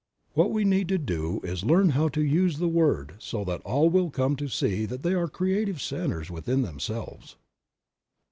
What we need to do is to learn how to use the word so that all will come to see that they are creative centers within themselves.